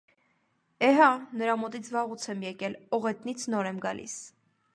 - Է՛, հա՛, նրա մոտից վաղուց եմ եկել, օղետնից նոր եմ գալիս…